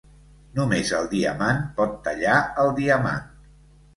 Només el diamant pot tallar el diamant.